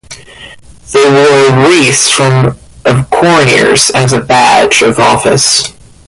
They wore wreaths of corn-ears as a badge of office.